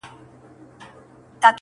ته یې کاږه زموږ لپاره خدای عادل دی-